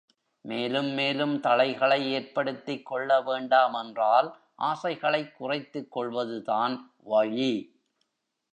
மேலும் மேலும் தளைகளை ஏற்படுத்திக் கொள்ள வேண்டாம் என்றால் ஆசைகளைக் குறைத்துக்கொள்வது தான் வழி.